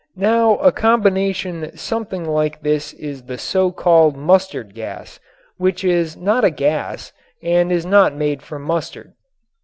Now a combination something like this is the so called mustard gas, which is not a gas and is not made from mustard.